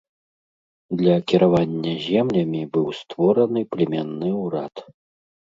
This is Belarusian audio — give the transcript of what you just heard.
Для кіравання землямі быў створаны племянны ўрад.